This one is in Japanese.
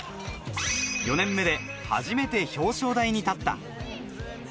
４年目で初めて表彰台に立った。